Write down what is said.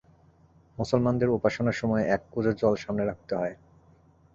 মুসলমানদের উপাসনার সময় এক কুঁজো জল সামনে রাখতে হয়।